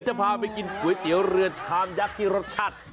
จะพาไปกินก๋วยเตี๋ยวเรือชามยักษ์ที่รสชาติ